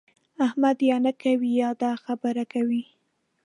احمد یا نه کوي يا د خبره کوي.